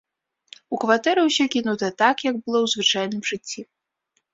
У кватэры ўсё кінута так, як было ў звычайным жыцці.